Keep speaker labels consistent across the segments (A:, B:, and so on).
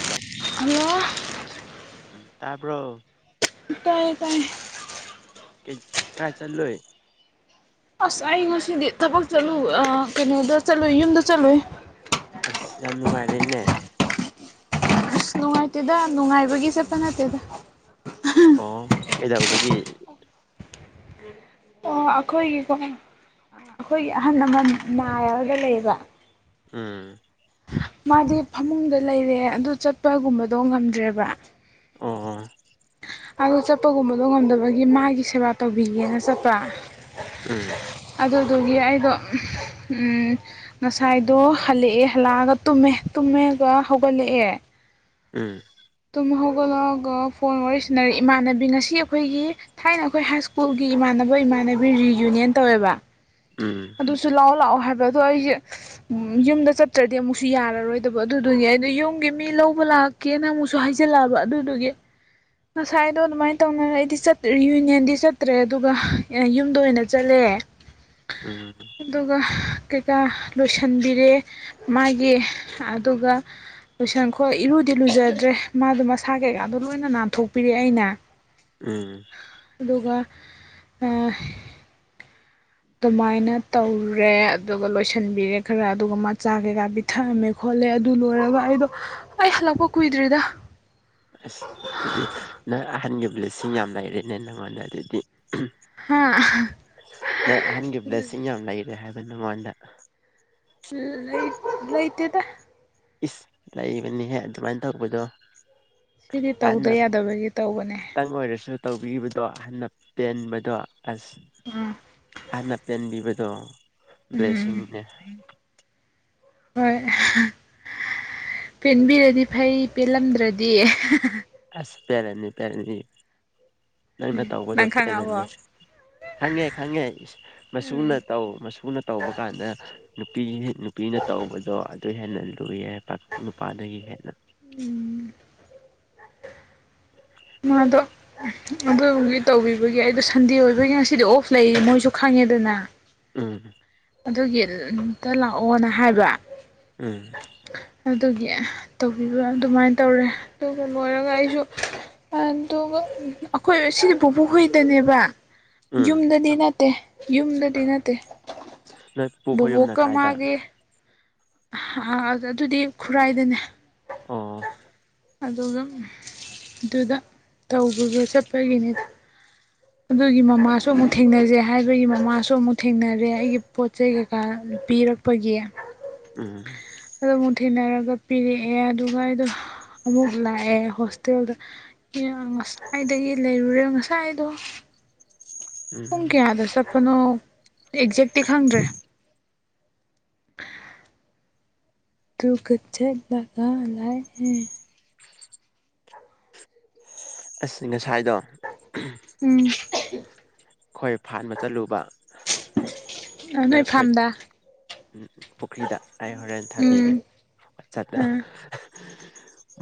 A: Hello
B: hello
A: ꯎꯝ ꯇꯕ꯭ꯔꯣ
B: ꯇꯥꯏꯌꯦ ꯇꯥꯏꯌꯦ꯫
A: ꯀꯩ ꯀꯥꯏ ꯆꯠꯂꯨꯏ
B: ꯑꯁ ꯑꯩ ꯉꯁꯤꯗꯤ ꯊꯕꯛ ꯆꯠꯂꯨ ꯑ ꯀꯩꯅꯣꯗ ꯆꯠꯂꯨꯏ ꯌꯨꯝꯗ ꯆꯠꯂꯨꯏ
A: ꯑꯦꯁ ꯌꯥꯝ ꯅꯨꯉꯥꯏꯔꯦꯅꯦ꯫
B: ꯑꯁ ꯅꯨꯡꯉꯥꯏꯇꯦꯗ ꯅꯨꯡꯉꯥꯏꯕꯒꯤ ꯆꯠꯄ ꯅꯠꯇꯦꯗ
A: ꯑꯣ ꯀꯩꯗꯧꯕꯒꯤ꯫
B: ꯑꯣ ꯑꯩꯈꯣꯏꯒꯤꯀꯣ ꯑꯩꯈꯣꯏꯒꯤ ꯑꯍꯜ ꯂꯃꯟ ꯅꯔꯒ ꯂꯩꯕ꯫
A: ꯎꯝ
B: ꯃꯥꯗꯤ ꯐꯃꯨꯡꯗ ꯂꯩꯔꯦ ꯑꯗꯨ ꯆꯠꯄꯒꯨꯝꯕꯗꯣ ꯉꯝꯗ꯭ꯔꯦꯕ
A: ꯑꯣ
B: ꯑꯗꯣ ꯆꯠꯄꯒꯨꯝꯕꯗꯣ ꯉꯝꯗꯕꯒꯤ ꯃꯥꯒꯤ ꯁꯦꯕꯥ ꯇꯧꯕꯤꯒꯦꯅ ꯆꯠꯄ
A: ꯎꯝ
B: ꯑꯗꯨꯗꯨꯒꯤ ꯑꯩꯗꯣ ꯎꯝ ꯉꯁꯥꯏꯗꯣ ꯍꯜꯂꯛꯑꯦ ꯍꯜꯂꯛꯑꯒ ꯇꯨꯝꯃꯦ ꯇꯨꯝꯃꯒ ꯍꯧꯒꯠꯂꯛꯑꯦ
A: ꯎꯝ
B: ꯇꯨꯝ ꯍꯧꯒꯠꯂꯛꯑꯒ ꯐꯣꯟ ꯋꯥꯔꯤ ꯁꯤꯟꯅꯔꯦ ꯏꯃꯥꯟꯅꯕꯤ ꯉꯁꯤ ꯑꯩꯈꯣꯏꯒꯤ ꯊꯥꯏꯅ ꯑꯩꯈꯣꯏ ꯍꯥꯏ ꯁ꯭ꯀꯨꯜꯒꯤ ꯏꯃꯥꯟꯅꯕ ꯏꯃꯥꯟꯅꯕꯤ ꯔꯤꯌꯨꯅꯤꯌꯟ ꯇꯧꯋꯦꯕ
A: ꯎꯝ
B: ꯑꯗꯨꯁꯨ ꯂꯥꯛꯑꯣ ꯂꯥꯛꯑꯣ ꯍꯥꯏꯕ ꯑꯗꯣ ꯑꯩꯁꯦ ꯌꯨꯝꯗ ꯆꯠꯇ꯭ꯔ ꯑꯗꯨꯗꯤ ꯑꯃꯨꯛꯁꯨ ꯌꯥꯔꯔꯣꯏꯗꯕ ꯑꯗꯨꯗꯨꯒꯤ ꯑꯩꯗꯣ ꯌꯨꯝꯒꯤ ꯃꯤ ꯂꯧꯕ ꯂꯥꯛꯀꯦꯅ ꯑꯃꯨꯛꯁꯨ ꯍꯥꯏꯖꯤꯜꯂꯛꯑꯕ ꯑꯗꯨꯗꯨꯒꯤ ꯉꯁꯥꯏꯗꯣ ꯑꯗꯨꯃꯥꯏꯅ ꯇꯧꯅꯔ ꯑꯩꯗꯤ ꯆꯠ ꯔꯤꯌꯨꯅꯤꯌꯟꯗꯤ ꯆꯠꯇ꯭ꯔꯦ ꯑꯗꯨꯒ ꯌꯨꯝꯗ ꯑꯣꯏꯅ ꯆꯠꯂꯦ [unintelligible]
A: ꯎꯝ
B: ꯑꯗꯨꯒ ꯀꯩꯀꯥ ꯂꯣꯏꯁꯤꯟꯕꯤꯔꯦ ꯃꯥꯒꯤ ꯑꯗꯨꯒ ꯂꯣꯏꯁꯟꯈꯣ ꯏꯔꯨꯗꯤ ꯂꯨꯖꯗ꯭ꯔꯦ ꯃꯥꯗꯣ ꯃꯁꯥ ꯀꯩꯀꯥꯗꯣ ꯂꯣꯏꯅ ꯅꯥꯟꯊꯣꯛꯄꯤꯔꯦ ꯑꯩꯅ
A: ꯎꯝ
B: ꯑꯗꯨꯒ ꯑ ꯑꯗꯨꯃꯥꯏꯅ ꯇꯧꯔꯦ ꯑꯗꯨꯒ ꯂꯣꯏꯁꯤꯟꯕꯤꯔꯦ ꯈꯔ ꯑꯗꯨꯒ ꯃꯥ ꯃꯆꯥ ꯀꯩꯀꯥ ꯄꯤ ꯊꯝꯃꯦ ꯈꯣꯠꯂꯦ ꯑꯗꯨ ꯂꯣꯏꯔꯒ ꯑꯩꯗꯣ ꯑꯩ ꯍꯜꯂꯛꯄ ꯀꯨꯏꯗ꯭ꯔꯤꯗ
A: ꯑꯁ ꯑꯗꯨꯗꯤ ꯅꯪ ꯑꯍꯟꯒ ꯕ꯭ꯂꯦꯁꯤꯡ ꯌꯥꯝ ꯂꯩꯔꯦꯅꯦ ꯅꯪꯉꯣꯟꯗ ꯑꯗꯨꯗꯤ ꯑ
B: ꯍꯥ
A: ꯅꯪ ꯑꯍꯟꯒꯤ ꯕ꯭ꯂꯦꯁꯤꯡ ꯌꯥꯝ ꯂꯩꯔꯦ ꯍꯥꯏꯕ ꯅꯪꯉꯣꯟꯗ
B: ꯎꯝ ꯂꯩ ꯂꯩꯇꯦꯗ
A: ꯏꯁ ꯂꯩꯕꯅꯦꯍꯦ ꯑꯗꯨꯃꯥꯏꯅ ꯇꯧꯕꯗꯣ
B: ꯁꯤꯗꯤ ꯇꯧꯗ
A: ꯑꯅ
B: ꯌꯥꯗꯕꯒꯤ ꯇꯧꯕꯅꯦ
A: ꯇꯪ ꯑꯣꯏꯔꯁꯨ ꯇꯧꯕꯤꯕꯗꯣ ꯍꯟꯅ ꯄꯦꯟꯕꯗꯣ ꯑꯁ
B: ꯎꯝ
A: ꯑꯍꯟꯅ ꯄꯦꯟꯕꯤꯕꯗꯣ
B: ꯎꯝ
A: ꯕ꯭ꯂꯦꯁꯤꯡꯅꯦ
B: ꯍꯣꯏ ꯑꯍ ꯄꯦꯟꯕꯤꯔꯗꯤ ꯐꯩ ꯄꯦꯟꯂꯝꯗ꯭ꯔꯗꯤ
A: ꯑꯁ ꯄꯦꯜꯂꯅꯤ ꯄꯦꯜꯂꯅꯤ ꯅꯪꯅ ꯇꯧꯕꯗꯣ
B: ꯅꯪ ꯈꯪꯉꯕꯣ
A: ꯄꯦꯜꯂꯅꯤ ꯈꯪꯉꯦ ꯈꯪꯉꯦ
B: ꯎꯝ
A: ꯃꯆꯨꯅ ꯇꯧ ꯃꯆꯨꯅ ꯇꯧꯕ ꯀꯥꯟꯗ ꯅꯨꯄꯤ ꯅꯨꯄꯤꯅ ꯇꯧꯕꯗꯣ ꯑꯗꯨ ꯍꯦꯟꯅ ꯂꯨꯏꯌꯦ ꯍꯥꯏꯕ ꯅꯨꯄꯥꯗꯒꯤ ꯍꯦꯟꯅ
B: ꯎꯝ ꯃꯥꯗꯣ ꯑꯗꯨꯒꯤ ꯇꯧꯒꯤꯕꯒꯤ ꯑꯩꯗꯣ ꯁꯟꯗꯦ ꯑꯣꯏꯕꯒꯤ ꯉꯁꯤꯗꯤ ꯑꯣꯄ ꯂꯩꯌꯦ ꯃꯣꯏꯁꯨ ꯈꯪꯉꯦꯗꯅ
A: ꯎꯝ
B: ꯑꯗꯨꯒꯤ ꯑꯝꯇ ꯂꯥꯛꯑꯣꯅ ꯍꯥꯏꯕ
A: ꯎꯝ
B: ꯑꯗꯨꯒꯤ ꯇꯧꯕꯤꯕ ꯑꯗꯨꯃꯥꯏꯅ ꯇꯧꯔꯦ ꯑꯗꯨꯒ ꯂꯣꯏꯔꯒ ꯑꯩꯖꯨ ꯑꯗꯨꯒ ꯑꯩꯈꯣꯏ ꯁꯤꯅ ꯄꯨꯕꯨ ꯍꯣꯏꯗꯅꯦꯕ
A: ꯎꯝ
B: ꯌꯨꯝꯗꯗꯤ ꯅꯠꯇꯦ ꯌꯨꯝꯗꯗꯤ ꯅꯠꯇꯦ
A: ꯅꯣꯏ ꯄꯨꯈꯣꯏ ꯌꯨꯝꯅ ꯀꯥꯏꯗ
B: ꯑ ꯑꯗꯨꯗꯤ ꯈꯨꯔꯥꯏꯗꯅꯦ
A: ꯑꯣ
B: ꯑꯗꯨꯒ ꯑꯗꯨꯗ ꯇꯧꯕꯕ ꯆꯠꯄꯒꯤꯅꯤꯗ ꯑꯗꯨꯒꯤ ꯃꯃꯥꯁꯨ ꯑꯃꯨꯛ ꯊꯦꯡꯅꯖꯦ ꯍꯥꯏꯕꯒꯤ ꯃꯃꯥꯁꯨ ꯑꯃꯨꯛ ꯊꯦꯡꯅꯔꯦ ꯑꯩꯒꯤ ꯄꯣꯠ ꯆꯩ ꯀꯩꯀꯥ ꯄꯤꯔꯛ ꯐꯣꯏꯒꯤ
A: ꯎꯝ
B: ꯑꯃꯨꯛ ꯊꯦꯡꯅꯔꯒ ꯄꯤꯔꯛꯑꯦ ꯑꯗꯨꯒ ꯑꯩꯗꯣ ꯑꯃꯨꯛ ꯂꯥꯛꯑꯦ ꯍꯣꯁꯇꯦꯜꯗ ꯉꯁꯥꯏꯗꯒꯤ ꯂꯩꯔꯨꯔꯦ ꯉꯁꯥꯏꯗꯣ ꯄꯨꯡ
A: ꯎꯝ
B: ꯀꯌꯥꯗ ꯆꯠꯄꯅꯣ ꯑꯦꯛꯖꯦꯛꯇꯤ ꯈꯪꯗ꯭ꯔꯦ ꯇꯨ ꯀ ꯆꯠꯂꯒ ꯍꯂꯛꯑꯦ
A: ꯑꯁꯤꯁ ꯉꯁꯥꯏꯗꯣ
B: ꯎꯝ
A: ꯑꯩꯈꯣꯏ ꯐꯥꯟꯕ ꯆꯠꯂꯨꯕ
B: ꯅꯣꯏ ꯐꯥꯝꯗ
A: ꯎ ꯄꯨꯈ꯭ꯔꯤꯗ ꯑꯩ ꯍꯣꯔꯦꯟꯦꯟ
B: ꯎꯝ
A: ꯊꯥꯕꯤꯒꯦ ꯋꯥꯆꯞꯇ
B: ꯑꯥ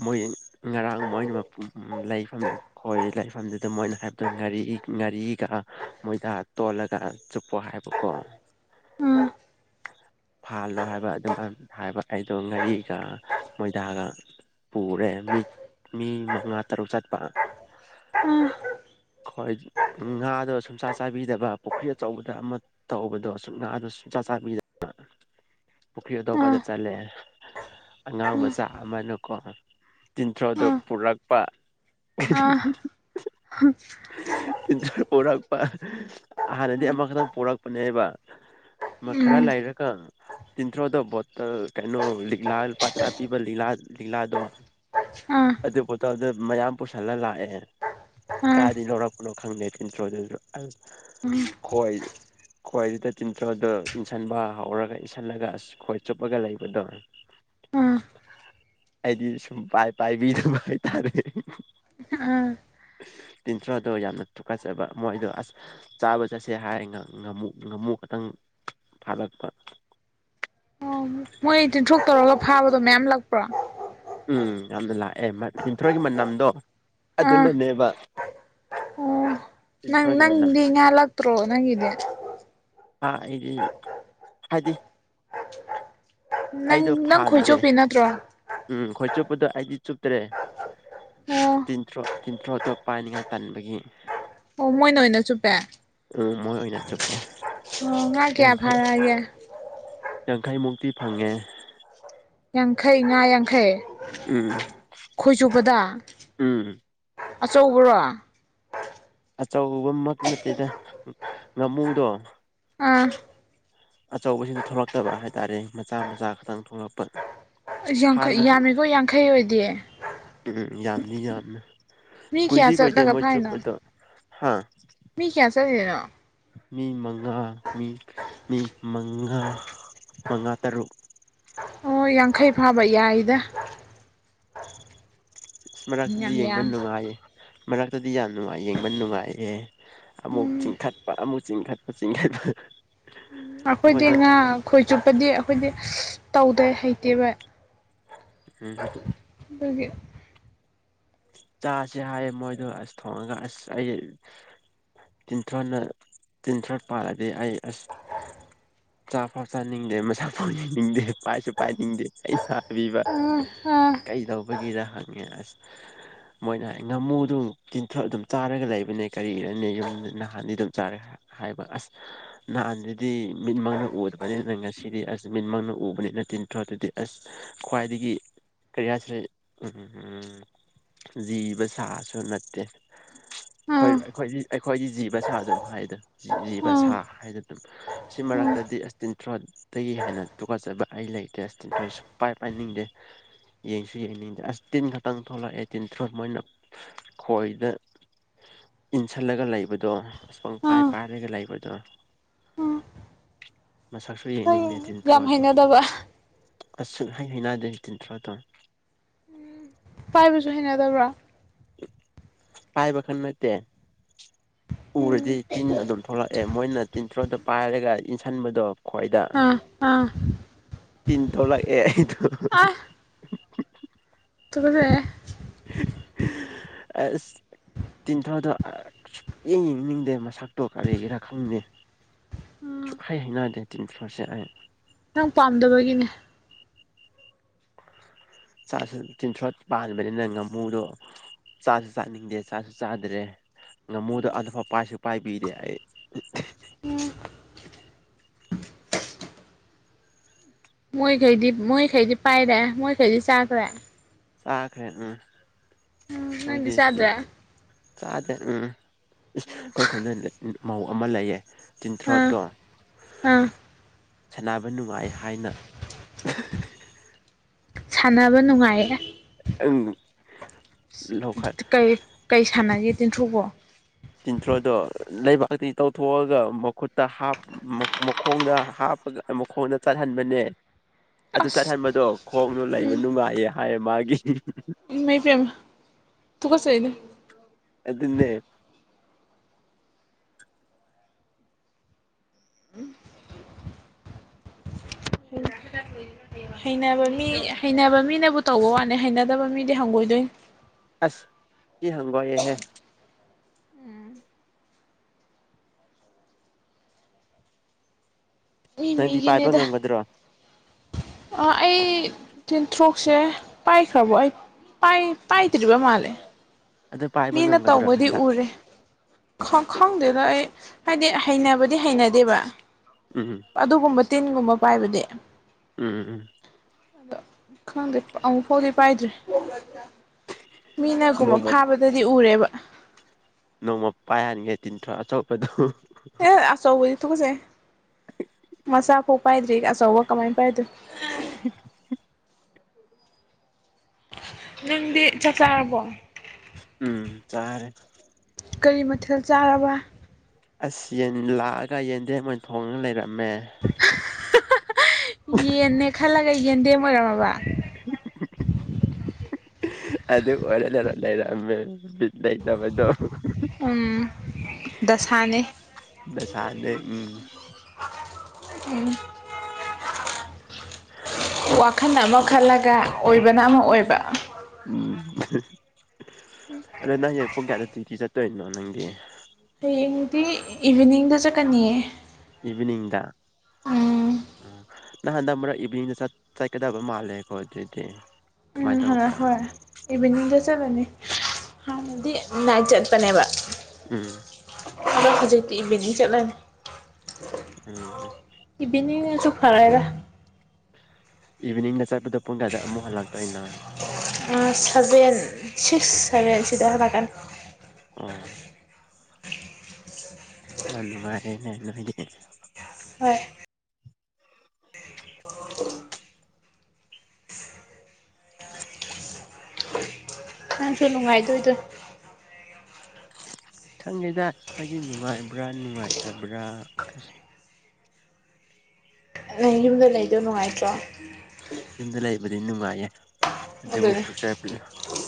A: ꯃꯣꯏ ꯉꯔꯥꯡ ꯃꯣꯏꯅ ꯂꯩꯐꯝꯅꯦꯕ ꯍꯣꯏ ꯂꯥꯏꯐꯝꯗꯨꯗ ꯃꯣꯏꯅ ꯍꯥꯏꯕꯗꯣ ꯉꯥꯔꯤ ꯉꯥꯔꯤꯒ ꯃꯣꯏꯗ ꯇꯣꯜꯂꯒ ꯆꯨꯞꯄꯣ ꯍꯥꯏꯕꯀꯣ
B: ꯎꯝ
A: ꯐꯥꯜꯂꯣ ꯍꯥꯏꯕ ꯑꯗꯨꯃꯥꯏꯅ ꯊ ꯍꯥꯏꯕ ꯑꯩꯗꯣ ꯉꯥꯔꯤꯒ ꯃꯣꯏꯗꯥꯒ ꯄꯨꯔꯦ ꯃꯤ ꯃꯤ ꯃꯉꯥ ꯇꯔꯨꯛ ꯆꯠꯄ
B: ꯎꯝ
A: ꯍꯣꯏ ꯉꯥꯗꯣ ꯁꯨꯝꯆꯥ ꯆꯥꯏꯕꯤꯗꯕ ꯄꯨꯈ꯭ꯔꯤ ꯑꯆꯧꯕꯗ ꯑꯃ ꯇꯧꯕꯗꯣ ꯁꯨꯡ ꯉꯥꯗꯣ ꯁꯨꯡꯆꯥꯛ ꯆꯥꯛ ꯄꯗꯅ ꯄꯨꯈ꯭ꯔꯤ ꯑꯇꯣꯞꯄꯗ ꯆꯠꯂꯦ ꯑꯉꯥꯡ
B: ꯑꯥ
A: ꯃꯆꯥ ꯑꯃꯅꯀꯣ ꯇꯤꯟꯊ꯭ꯔꯣꯗ
B: ꯑꯥ
A: ꯄꯨꯔꯛꯄ [unintelligible]
B: ꯍ
A: ꯄꯔꯛꯄ ꯍꯥꯟꯅꯗꯤ ꯑꯃꯈꯛꯇꯪ ꯄꯣꯔꯛꯄꯅꯦ ꯍꯥꯏꯕ ꯈꯔ
B: ꯎꯝ
A: ꯂꯩꯔꯒ ꯇꯤꯟꯊ꯭ꯔꯣꯗ ꯕꯣꯇꯜ ꯀꯩꯅꯣ ꯂꯤꯛꯂꯥ ꯄꯥꯇ꯭ꯔꯥ ꯄꯤꯕ ꯂꯤꯂꯥ ꯂꯤꯛꯂꯥꯗꯣ
B: ꯑꯥ ꯑꯥ
A: ꯑꯗꯨ ꯕꯣꯠꯇꯜꯗꯣ ꯃꯌꯥꯝ ꯄꯨꯁꯜꯂ ꯂꯥꯛꯑꯦ
B: ꯑꯥ
A: ꯀꯥꯗꯤ ꯂꯧꯔꯛꯄꯅꯣ ꯈꯪꯗꯦ ꯄꯟꯇ꯭ꯔꯣ ꯑꯗꯨ ꯈ꯭ꯋꯥꯏ ꯈ꯭ꯋꯥꯗꯤ ꯇꯤꯟꯊ꯭ꯔꯣꯗꯣ ꯏꯟꯁꯟꯕ ꯍꯧꯔꯒ ꯏꯟꯁꯜꯂꯒ ꯑꯁ ꯈꯣꯏ ꯆꯨꯞꯄꯒ ꯂꯩꯕꯗꯣ
B: ꯑꯥ
A: ꯑꯩꯗꯤ ꯁꯨꯝ ꯄꯥꯎꯕꯤ ꯄꯥꯏꯕꯤꯗꯕ ꯍꯥꯏꯇꯥꯔꯦ
B: ꯑꯥ
A: ꯇꯤꯟꯊ꯭ꯔꯣꯗꯣ ꯌꯥꯝꯅ ꯊꯨꯀꯠꯆꯕ ꯃꯣꯏꯗꯣ ꯑꯁ ꯆꯥꯕ ꯆꯠꯁꯦ ꯍꯥꯏꯔ ꯉꯥꯃꯨ ꯉꯥꯃꯨꯛ ꯈꯇꯪ ꯐꯥꯠꯂꯛꯄ
B: ꯑꯣ ꯃꯣꯏ ꯇꯤꯟꯊ꯭ꯔꯣꯛ ꯇꯧꯔꯒ ꯐꯥꯕꯗꯣ ꯃꯌꯥꯝ ꯂꯛꯄ꯭ꯔꯣ
A: ꯎꯝ ꯌꯥꯝꯅ ꯂꯥꯛꯑꯦ ꯃꯤ ꯇꯤꯟꯊ꯭ꯔꯣꯏꯒꯤ ꯃꯅꯝꯗꯣ
B: ꯑꯥ
A: ꯑꯗꯨꯅꯅꯦꯕ
B: ꯑꯣ ꯅꯪ
A: ꯇꯤꯟꯊ꯭ꯔꯣꯒꯤ ꯃꯅꯝ
B: ꯅꯪꯗꯤ ꯉꯥ ꯂꯛꯇ꯭ꯔꯣ ꯅꯪꯗꯤ
A: ꯑ ꯑꯩꯗꯤ ꯍꯥꯏꯗꯤ
B: ꯅꯪ
A: ꯑꯩꯗꯣ
B: ꯅꯪ
A: ꯐꯥꯟꯗ꯭ꯔꯦ
B: ꯈꯣꯏꯆꯣꯞꯄꯤ ꯅꯠꯇ꯭ꯔꯣ
A: ꯎꯝ ꯈꯣꯏ ꯆꯨꯞꯄꯗꯣ ꯑꯩꯗꯤ ꯆꯨꯞꯇꯔꯦ
B: ꯑꯣ
A: ꯇꯤꯟꯊ꯭ꯔꯣꯛ ꯇꯤꯟꯊ꯭ꯔꯣꯇꯣ ꯄꯥꯏꯅꯤꯡꯉꯥꯏ ꯇꯟꯕꯒꯤ
B: ꯑꯣ ꯃꯣꯏꯅ ꯑꯣꯏꯅ ꯆꯨꯞꯄꯦ ꯑꯣ
A: ꯎꯝ ꯃꯣꯏ ꯑꯣꯏꯅ ꯆꯨꯞꯄꯦ
B: ꯉꯥ ꯀꯌꯥ
A: ꯌꯥꯡꯈꯩ
B: ꯐꯥꯔꯛꯑꯒꯦ
A: ꯌꯥꯡꯈꯩꯃꯨꯛꯇꯤ ꯐꯪꯉꯦ
B: ꯌꯥꯡꯈꯩ ꯉꯥ ꯌꯥꯡꯈꯩ
A: ꯎꯝ
B: ꯈꯣꯏ ꯆꯨꯕꯗ
A: ꯎꯝ
B: ꯑꯆꯧꯕꯔꯣ
A: ꯑꯆꯧꯕꯃꯛ ꯅꯠꯇꯦꯗ ꯉꯥꯃꯨꯗꯣ
B: ꯑꯥ
A: ꯑꯆꯧꯕꯁꯤꯡꯗ ꯊꯣꯛꯂꯛꯇꯕ ꯍꯥꯏꯇꯥꯔꯦ ꯃꯆꯥ ꯃꯆꯥ ꯈꯛꯇꯪ ꯊꯣꯛꯂꯛꯄ ꯐꯥꯕ
B: ꯌꯥꯡꯈꯩ ꯌꯥꯝꯃꯤꯈꯣ ꯌꯥꯡꯈꯩ ꯑꯣꯏꯗꯦ
A: ꯎꯝ ꯌꯥꯝꯗꯤ ꯌꯥꯝꯅꯤ
B: ꯃꯤ ꯀꯌꯥ
A: ꯀꯨꯏꯗꯤ ꯀꯨꯏꯗꯦ
B: ꯆꯠꯂꯒ
A: ꯃꯣꯏ
B: ꯐꯥꯏꯅꯣ
A: ꯆꯨꯞꯄꯗꯣ ꯍꯥꯥ
B: ꯃꯤ ꯀꯌꯥ ꯆꯪꯂꯤꯅꯣ
A: ꯃꯤ ꯃꯉꯥ ꯃꯤ ꯃꯤ ꯃꯉꯥ ꯃꯉꯥ ꯇꯔꯨꯛ
B: ꯑꯣ ꯌꯥꯡꯈꯩ ꯐꯥꯕ ꯌꯥꯏꯗ
A: ꯏꯁ
B: ꯌꯥꯝ
A: ꯃꯅꯥꯛꯇꯗꯤ ꯌꯦꯡꯕ
B: ꯌꯥꯝ
A: ꯅꯨꯡꯉꯥꯏꯌꯦ ꯃꯔꯛꯇꯗꯤ ꯌꯥꯝ ꯅꯨꯡꯉꯥꯏ ꯌꯦꯡꯕ ꯅꯨꯡꯉꯥꯏꯌꯦ ꯑꯃꯨꯛ ꯆꯤꯡꯈꯠꯄ ꯑꯃꯨꯛ ꯆꯤꯡꯈꯠꯄ ꯆꯤꯡꯈꯠꯄ
B: ꯎꯝ ꯑꯩꯈꯣꯏꯗꯤ
A: ꯃꯣꯏꯗ
B: ꯉꯥ ꯈꯣꯏ ꯆꯨꯞꯄꯗꯤ ꯑꯩꯈꯣꯏꯗꯤ ꯇꯧꯗꯩ ꯍꯩꯇꯦꯕ
A: ꯎꯝ
B: ꯑꯗꯨꯒꯤ
A: ꯆꯥꯁꯦ ꯍꯥꯏꯌꯦ ꯃꯣꯏꯗꯣ ꯑꯁ ꯊꯣꯡꯉꯒ ꯑꯁ ꯑꯩ ꯇꯤꯊ꯭ꯔꯥꯅ ꯇꯤꯟꯊ꯭ꯔꯣ ꯄꯥꯜꯂꯗꯤ ꯑꯩ ꯑꯁ ꯆꯥꯛ ꯄꯥꯎ ꯆꯥꯅꯤꯡꯗꯦ ꯃꯁꯛ ꯐꯥꯎ ꯌꯦꯅꯤꯡꯗꯦ ꯄꯥꯏꯁꯨ ꯄꯥꯏꯅꯤꯡꯗꯦ ꯑꯩꯅ ꯁꯥꯕꯤꯕ
B: ꯑꯥ ꯑꯥ
A: ꯀꯩꯗꯧꯕꯒꯤꯔ ꯍꯪꯉꯦ ꯑꯁ
B: [inaudible]
A: ꯃꯣꯏꯅ ꯍꯥꯏ ꯉꯥꯃꯨꯗꯨꯝ ꯇꯤꯟꯊ ꯑꯗꯨꯝ ꯆꯥꯔꯒ ꯂꯩꯕꯅꯦ ꯀꯔꯤꯔꯅꯦ ꯌꯨꯝ ꯅꯍꯥꯟꯗꯤ ꯑꯗꯨꯝ ꯆꯥꯔꯒ ꯍꯥꯏꯔ ꯍꯥꯏꯕ ꯑꯁ ꯅꯍꯥꯟꯗꯨꯗꯤ ꯃꯤꯠꯃꯛꯅ ꯎꯗꯕꯅꯤꯅ ꯉꯁꯤꯗꯤ ꯑꯁ ꯆꯃꯤꯟꯃꯛꯅ ꯎꯕꯅꯤꯅ ꯇꯤꯟ ꯊꯔ ꯑꯗꯨꯗꯤ ꯑꯁ ꯈ꯭ꯋꯥꯏꯗꯒꯤ ꯀꯔꯤꯌꯥꯁꯨ ꯎꯝ ꯎꯝ ꯎꯝ ꯎꯝ ꯂꯤꯕ ꯁꯥꯁꯨ ꯅꯠꯇꯦ
B: ꯑꯥ
A: ꯑꯩꯈꯣꯏ ꯑꯩꯈꯣꯏꯗꯤ ꯑꯩꯈꯣꯏꯒꯤ ꯖꯤꯕ ꯁꯥ ꯑꯗꯨꯝ ꯍꯥꯏꯗ ꯖꯤꯕ
B: ꯑꯥ
A: ꯁꯥ ꯍꯥꯏꯅ ꯑꯗꯨꯝ ꯑꯁꯤ ꯃꯔꯛꯇꯗꯤ ꯑꯁ ꯇꯤꯟꯊ꯭ꯔꯣꯠꯇꯒꯤ ꯍꯦꯟꯅ ꯇꯨꯀꯠꯆꯕ ꯑꯩ ꯂꯩꯇꯦ ꯇꯤꯟꯊ꯭ꯔꯣꯛ ꯁꯨ ꯄꯥꯏ ꯄꯥꯏꯅꯤꯡꯗꯦ ꯌꯦꯡꯁꯨ ꯌꯦꯡꯅꯤꯡꯗꯦ ꯑꯁ ꯇꯤꯟ ꯈꯛꯇꯪ ꯊꯣꯛꯂꯛꯑꯦ ꯇꯤꯟꯊ꯭ꯔꯣꯛ ꯃꯣꯏꯅ ꯈꯣꯏꯗ ꯏꯟꯁꯤꯜꯂꯒ ꯂꯩꯕꯗꯣ ꯑꯁ ꯄꯪ
B: ꯑꯥ
A: ꯄꯥꯏ
B: ꯑꯥ
A: ꯄꯥꯏꯔꯒ ꯂꯩꯕꯗꯣ
B: ꯑꯥ
A: ꯃꯁꯛꯁꯨ ꯌꯦꯡꯅꯤꯡꯗꯦ
B: ꯅꯪ ꯌꯥꯝ
A: ꯇꯤꯟꯊ꯭ꯔꯥꯗꯣ
B: ꯍꯩꯅꯗꯕ
A: ꯑ ꯍꯩ ꯍꯩꯅꯗ ꯇꯤꯟꯊ꯭ꯔꯥ ꯇꯣ
B: ꯄꯥꯏꯕꯁꯨ ꯍꯦꯟꯅꯗꯕ꯭ꯔꯥ
A: ꯄꯥꯏꯕ ꯈꯟ ꯅꯠꯇꯦ ꯎꯔꯗꯤ ꯇꯤꯟ ꯑꯗꯨꯝ ꯊꯣꯛꯂꯛꯑꯦ ꯃꯣꯏꯅ ꯇꯤꯟꯊ꯭ꯔꯣꯗ ꯄꯥꯏꯔꯒ ꯏꯟꯁꯤꯟꯕꯗꯣ ꯈ꯭ꯋꯥꯣꯏꯗ
B: ꯑꯥ ꯑꯥ
A: ꯇꯤꯟ ꯊꯣꯛꯂꯛꯑꯦ ꯑꯩꯗꯣ
B: ꯇꯦ [inaudible]
A: ꯑ ꯇꯤꯟꯊꯥꯗꯣ ꯑꯨꯛꯌꯦ ꯌꯦꯡꯅꯤꯡꯗꯦ ꯃꯁꯛꯇꯣ ꯀꯔꯤꯒꯤꯔꯥ ꯈꯪꯅꯤ
B: ꯑꯥ
A: ꯁꯨꯛ ꯍꯩ ꯍꯥꯏꯩꯅꯗꯦ ꯇꯤꯟꯔꯁꯦ ꯑꯩ
B: ꯅꯪ ꯄꯥꯝꯗꯕꯒꯤꯅꯦ
A: ꯇꯤꯟꯁ꯭ꯔꯣꯠ ꯄꯥꯟꯕꯅꯤꯅ ꯉꯥꯃꯨꯗꯣ ꯆꯥꯁꯨ ꯆꯥꯅꯤꯡꯗꯦ ꯆꯥꯁꯨ ꯆꯥꯗ꯭ꯔꯦ ꯉꯃꯨꯗ ꯑꯐ ꯄꯥꯏꯁꯨ ꯄꯥꯏꯕꯤꯗꯦ ꯑꯩ
B: ꯎ ꯃꯣꯏꯈꯩꯗꯤ ꯃꯣꯏꯈꯩꯗꯤ ꯄꯥꯏꯔꯦ ꯃꯣꯏꯈꯩꯗꯤ ꯆꯥꯈ꯭ꯔꯦ
A: ꯆꯥꯈ꯭ꯔꯦ ꯎꯝ
B: ꯎꯝ ꯅꯪꯗꯤ
A: ꯑꯩꯗꯤꯤꯟ
B: ꯆꯥꯗ꯭ꯔꯦ
A: ꯆꯥꯗ꯭ꯔꯦ ꯎꯝ ꯑꯩꯈꯣꯏ ꯈꯨꯟꯗ ꯃꯧ ꯑꯃ ꯂꯩꯌꯦ
B: ꯑꯥ
A: ꯆꯤꯟꯊ꯭ꯔꯣꯠꯇꯣ
B: ꯑꯥ
A: ꯁꯥꯟꯅꯕ ꯅꯨꯡꯉꯥꯏ ꯍꯥꯏꯅ
B: ꯁꯥꯟꯅꯕ ꯅꯨꯡꯉꯥꯏꯌꯦ
A: ꯎꯝ
B: ꯀꯩ ꯁꯥꯟꯅꯁꯤꯦ ꯇꯟꯊꯣꯛꯀꯣ
A: ꯆꯤꯟꯊ꯭ꯔꯣꯗꯣ ꯂꯩꯕꯥꯛꯛꯇꯤ ꯇꯧꯊꯣꯛꯑꯒ ꯃꯈꯨꯠꯇ ꯍꯥꯞ ꯈꯣꯡꯗ ꯍꯥꯞꯄꯒ ꯃꯈꯣꯡꯗ ꯆꯠꯍꯟꯕꯅꯦ ꯑꯗꯨ
B: ꯑꯁ
A: ꯆꯠꯍꯟꯕꯗꯣ ꯈꯣꯡꯗꯣ ꯂꯩꯕ ꯅꯨꯡꯉꯥꯏꯌꯦ ꯍꯥꯏꯌꯦ ꯃꯥꯒꯤ
B: ꯃ ꯄꯃ ꯇꯨ ꯀꯁ ꯑꯩꯅ
A: ꯑꯗꯨ ꯑꯗꯨꯟꯅꯦ
B: ꯍꯩꯅꯕ ꯃꯤ ꯍꯩꯅꯕ ꯃꯤꯅꯕꯨ ꯇꯧꯕ ꯋꯥꯠꯅꯦ ꯍꯩꯅꯗꯕ ꯃꯤꯗꯤ ꯍꯪꯒꯣꯏꯗꯣꯏ
A: ꯑꯁ ꯀ ꯍꯪꯕꯍꯦ
B: ꯃꯤ
A: ꯅꯪꯗꯤ ꯄꯥꯏꯕ
B: ꯃꯤꯒꯤꯅꯦꯗ
A: ꯉꯝꯒꯗ꯭ꯔꯣ
B: ꯑꯩ ꯇꯦꯟꯊ꯭ꯔꯣꯛꯁꯦ ꯄꯥꯏꯈ꯭ꯔꯕꯣ ꯑꯩ ꯄꯥꯏ ꯄꯥꯏ ꯇꯔꯔꯤꯕ ꯃꯥꯦ
A: ꯑꯗꯨ ꯄꯥꯏꯕ
B: ꯃꯤꯅ
A: ꯉꯝꯒꯗ꯭ꯔꯣ
B: ꯇꯧꯕꯗꯤ
A: ꯍꯟꯗꯛ
B: ꯎꯔꯦ ꯈꯪꯗꯦꯗꯣ ꯑꯩ ꯍꯥꯏꯗꯤ ꯍꯩꯅꯕꯗꯤ ꯍꯩꯅꯗꯦꯕ
A: ꯎꯝꯝ
B: ꯑꯗꯨꯒꯨꯝꯕ ꯇꯤꯟꯒꯨꯝꯕ ꯄꯥꯏꯕꯗꯤ
A: ꯎꯝ ꯎꯝ
B: ꯑꯗꯣ ꯈꯪꯗꯦ ꯑꯃꯨꯛ ꯐꯥꯎꯗꯤ ꯄꯥꯏꯗ꯭ꯔꯦ ꯃꯤꯅꯒꯨꯝꯕ
A: ꯅꯣꯡꯃ
B: ꯐꯥꯕꯗꯗꯤ ꯎꯔꯦꯕ
A: ꯅꯣꯡꯃ ꯄꯥꯏꯍꯅꯤꯡꯉꯥꯏ ꯇꯤꯟꯊ꯭ꯔ ꯑꯆꯧꯕꯗꯣ
B: ꯑꯦ ꯑꯆꯧꯕꯗꯤ ꯊꯨꯁꯩ ꯃꯆꯥꯐꯧ ꯄꯥꯏꯗ꯭ꯔꯤꯒ ꯑꯆꯧꯕ ꯀꯃꯥꯏꯅ ꯄꯥꯏꯗꯣꯏꯣ
A: [unintelligible]
B: ꯅꯪꯗꯤ ꯆꯥꯛ ꯆꯥꯔꯕꯣ
A: ꯎꯝ ꯇꯥꯔꯦ
B: ꯀꯔꯤ ꯃꯊꯦꯜ ꯆꯥꯔꯕ
A: ꯑꯁ ꯌꯦꯟ ꯂꯥꯛꯑꯒ ꯌꯦꯟꯗꯦꯝ ꯑꯣꯏꯅ ꯊꯣꯡꯉꯒ ꯂꯩꯔꯝꯃꯦ
B: ꯌꯦꯅꯦ ꯈꯜꯂꯒ ꯌꯦꯟꯗꯦꯝ ꯑꯣꯏꯔꯝꯃꯕ
A: ꯑꯗ ꯑꯣꯔꯂꯔ ꯂꯩꯥꯏꯔꯃꯦꯅꯩꯇꯃꯗꯣ
B: ꯎꯝ ꯗꯁꯥꯅꯦ
A: ꯗꯥꯁꯥꯗꯤ ꯎꯝ
B: ꯎꯝ
A: ꯎꯝ
B: ꯋꯥꯈꯜꯅ ꯑꯃ ꯈꯜꯂꯒ ꯑꯣꯏꯕꯅ ꯑꯃ ꯑꯣꯏꯕ
A: ꯎꯝ ꯑꯗꯣ ꯅꯪ ꯄꯨꯡ ꯀꯌꯥꯗ ꯗ꯭ꯌꯨꯇꯤ ꯆꯠꯇꯣꯏꯅꯣ ꯅꯪꯗꯤ
B: ꯍꯌꯦꯡꯗꯤ ꯏꯚꯤꯅꯤꯡꯗ ꯆꯠꯀꯅꯤꯌꯦ
A: ꯏꯚꯤꯅꯤꯡꯗ
B: ꯎꯝ
A: ꯎꯝ ꯅꯪ ꯍꯟꯗꯛ ꯃꯔꯛ ꯏꯚꯤꯅꯤꯡꯗ ꯆꯠꯀꯗꯕ ꯃꯥꯜꯂꯦꯀꯣ ꯑꯗꯨꯗꯤ
B: ꯎꯝ
A: ꯀꯃꯥꯏꯅ
B: ꯍ
A: ꯇꯧꯕ꯭ꯔꯥ
B: ꯍꯣꯏ ꯏꯚꯤꯅꯤꯡꯗ ꯆꯠꯂꯅꯤ ꯍꯥꯟꯅꯗꯤ ꯅꯥꯏꯠ ꯆꯠꯄꯅꯦꯕ
A: ꯎꯝ
B: ꯑꯗꯣ ꯍꯧꯖꯤꯛꯇꯤ ꯏꯚꯤꯅꯤꯡꯗ ꯆꯠꯂꯅꯤ
A: ꯎꯝ
B: ꯏꯕꯤꯅꯤꯡ ꯅꯖꯨ ꯐꯔꯦꯗ
A: ꯏꯚꯤꯅꯤꯡꯗ ꯆꯠꯄꯗꯣ ꯄꯨꯡ ꯀꯌꯥꯗ ꯑꯃꯨꯛ ꯍꯜꯂꯛꯇꯣꯏꯅꯣ
B: ꯎꯝ ꯁꯚꯦꯟ ꯁꯤꯛꯁ ꯁꯚꯦꯟ ꯁꯤꯗ ꯍꯟꯂꯛꯀꯅꯤ
A: ꯑꯣ ꯌꯥꯝꯅ ꯅꯨꯡꯉꯥꯏꯔꯦꯅ ꯅꯣꯏꯗꯤ
B: ꯍꯣꯏ
A: ꯎꯝ
B: ꯅꯪꯁꯨ ꯅꯨꯡꯉꯥꯏꯗꯣꯏꯗꯣ
A: ꯈꯪꯗꯦꯗ ꯑꯩꯈꯣꯏꯗꯤ ꯅꯨꯡꯉꯥꯏꯕ꯭ꯔꯥ ꯅꯨꯡꯉꯥꯏꯇꯕ꯭ꯔꯥ ꯑꯁ
B: ꯅꯪ ꯌꯨꯝꯗ ꯂꯩꯗꯣ ꯅꯨꯡꯉꯥꯏꯇ꯭ꯔꯣ
A: ꯌꯨꯝꯗ ꯂꯩꯕꯗꯤ ꯅꯨꯡꯉꯥꯏꯌꯦ ꯑꯗꯨꯕꯨ
B: ꯑꯗꯨꯅꯦ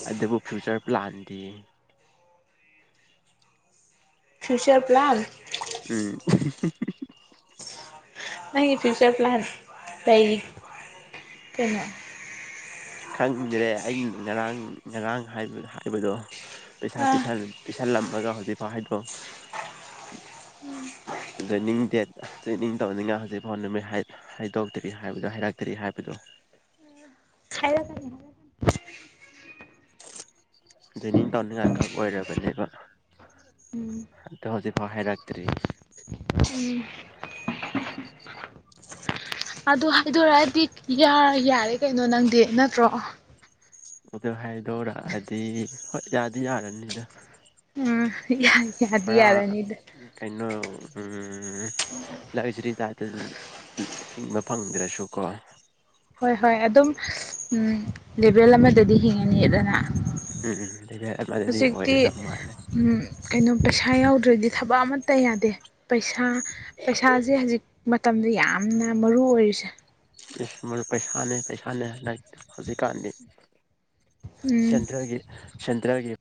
A: ꯑꯗꯨꯕꯨ ꯐ꯭ꯌꯨꯆꯔ ꯄ꯭ꯂꯥꯟꯗꯤ
B: ꯐ꯭ꯌꯨꯆꯔ ꯄ꯭ꯂꯥꯟ
A: ꯎꯝ
B: ꯅꯪꯒꯤ ꯐꯤꯌꯨꯆꯔ ꯄ꯭ꯂꯥꯟ ꯂꯩ ꯀꯩꯅꯣ
A: ꯈꯪꯗ꯭ꯔꯦ ꯑꯩꯅ ꯉꯔꯥꯡ ꯉꯔꯥꯡ ꯍꯥꯏꯕꯗꯣ ꯄꯩꯁꯥ
B: ꯑꯥ
A: ꯄꯩꯁꯥ ꯊꯜꯂꯝꯃꯒ ꯍꯧꯖꯤꯛꯐꯥꯎ ꯍꯥꯏꯗꯣꯛ
B: ꯎꯝ
A: ꯖꯣꯏꯅꯤꯡ ꯗꯦꯠ ꯖꯣꯏꯅꯤꯡ ꯇꯧꯅꯤꯅ ꯍꯧꯖꯤꯛ ꯐꯥꯎ ꯅꯨꯃꯤꯠ ꯍꯥꯏꯕ ꯍꯥꯏꯗꯣꯛꯇꯔꯤ ꯍꯥꯏꯕꯗꯨ ꯍꯥꯏꯔꯛꯇꯔꯤ ꯍꯥꯏꯕꯗꯨ
B: ꯍꯥꯏꯔꯛꯀꯅꯤ ꯍꯥꯏꯔꯛꯀꯅꯤ
A: ꯖꯣꯏꯅꯤꯡ ꯇꯧꯅꯤꯡꯉꯥꯏ ꯈꯛ ꯑꯣꯏꯔꯕꯅꯦꯕ ꯑꯗꯣ ꯍꯧꯖꯤꯛ ꯐꯥꯎ ꯍꯥꯏꯔꯛꯇꯔꯤ
B: ꯎꯝ ꯑꯗꯨ ꯍꯥꯏꯗꯣꯔꯛꯑꯗꯤ ꯌꯥꯔꯦ ꯀꯩꯅꯣ ꯅꯪꯗꯤ ꯅꯠꯇ꯭ꯔꯣ
A: ꯑꯗꯣ ꯍꯥꯏꯗꯣꯔꯛꯑꯗꯤ ꯍꯣꯏ ꯌꯥꯗꯤ ꯌꯥꯔꯅꯤꯅ
B: ꯌꯥ ꯌꯥꯗꯤ ꯌꯥꯔꯅꯤꯗ
A: ꯀꯩꯅꯣ ꯎꯝ ꯂꯛꯖꯔꯤ ꯇꯥꯏꯄꯇ ꯍꯤꯡꯕ ꯐꯪꯗ꯭ꯔꯁꯨ ꯀꯣ
B: ꯍꯣꯏ ꯍꯣꯏ ꯑꯗꯨꯝ ꯂꯦꯚꯦꯜ ꯑꯃꯗꯗꯤ ꯍꯤꯡꯉꯅꯤꯗꯅ
A: ꯎꯝ ꯎꯝ ꯑꯗꯨ ꯂꯦꯕꯦꯜ
B: ꯍꯧꯖꯤꯛꯇꯤ
A: ꯑꯣꯏꯔꯗꯧ ꯃꯥꯜꯂꯦ
B: ꯀꯩꯅꯣ ꯄꯩꯁꯥ ꯌꯥꯎꯗ꯭ꯔꯗꯤ ꯊꯕꯛ ꯑꯃꯠꯇ ꯌꯥꯗꯦ ꯄꯩꯁꯥ ꯄꯩꯁꯥꯁꯦ ꯍꯧꯖꯤꯛ ꯃꯇꯝꯗ ꯌꯥꯝꯅ ꯃꯔꯨ ꯑꯣꯏꯔꯤꯁꯦ
A: ꯏꯁ ꯃꯔꯨ ꯄꯩꯁꯥꯅꯦ ꯄꯩꯁꯥꯅꯦ ꯂꯥꯏꯠ ꯍꯧꯖꯤꯛꯀꯥꯟꯗꯤ
B: ꯎꯝ
A: ꯁꯦꯟꯇ꯭ꯔꯒꯤ ꯁꯦꯟꯇ꯭ꯔꯒꯤ